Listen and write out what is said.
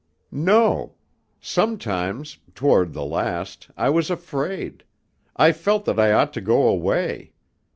"No. Sometimes, toward the last, I was afraid. I felt that I ought to go away.